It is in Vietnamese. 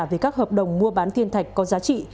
về các hợp đồng mua bán thiên thạch có giá trị